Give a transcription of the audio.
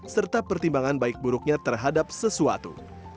serta pertimbangan baik buruknya terhadap sesuatu